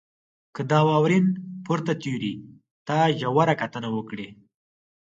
که د داروېن پورته تیوري ته ژوره کتنه وکړئ.